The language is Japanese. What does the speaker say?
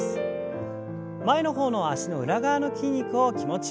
前の方の脚の裏側の筋肉を気持ちよく伸ばしてください。